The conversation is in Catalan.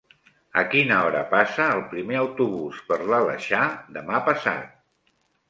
A quina hora passa el primer autobús per l'Aleixar demà passat?